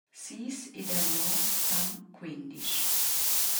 Sis ed aunc nov fan quendisch.